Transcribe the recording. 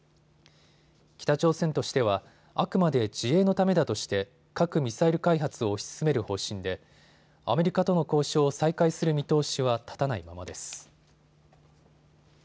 北朝鮮としてはあくまで自衛のためだとして核・ミサイル開発を推し進める方針でアメリカとの交渉を再開する見通しは立たないままです。